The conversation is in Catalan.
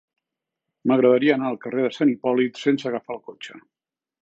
M'agradaria anar al carrer de Sant Hipòlit sense agafar el cotxe.